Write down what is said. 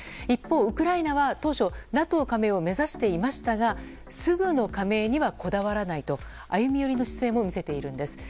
一方、ウクライナは当初、ＮＡＴＯ加盟を目指していましたがすぐの加盟にはこだわらないと歩み寄りの姿勢も見せているんです。